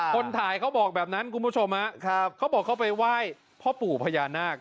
คนถ่ายเขาบอกแบบนั้นคุณผู้ชมฮะเขาบอกเขาไปไหว้พ่อปู่พญานาค